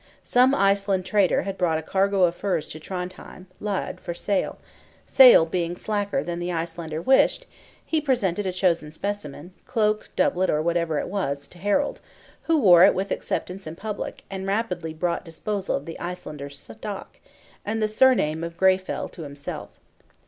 Some Iceland trader had brought a cargo of furs to Trondhjem (Lade) for sale; sale being slacker than the Icelander wished, he presented a chosen specimen, cloak, doublet, or whatever it was, to Harald; who wore it with acceptance in public, and rapidly brought disposal of the Icelander's stock, and the surname of Greyfell to himself.